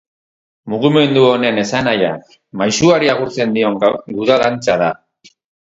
Mugimendu honen esanahia, maisuari agurtzen dion guda dantza da.